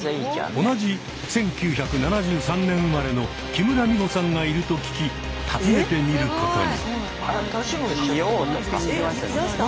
同じ１９７３年生まれの木村美穂さんがいると聞き訪ねてみることに。